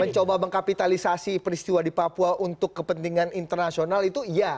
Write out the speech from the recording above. mencoba mengkapitalisasi peristiwa di papua untuk kepentingan internasional itu iya